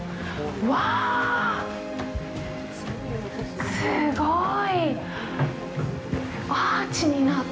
うわぁ、すごい！